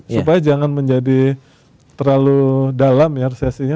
supaya jangan menjadi terlalu dalam ya resesinya